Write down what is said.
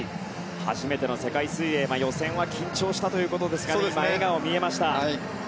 初めての世界水泳、予選は緊張したということですが今、笑顔が見えました。